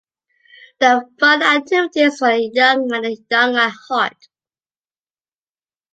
There are fun activities for the young and the young at heart.